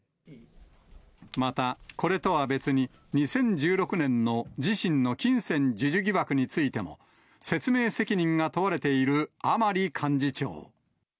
また、これとは別に、２０１６年の自身の金銭授受疑惑についても、説明責任が問われている甘利幹事長。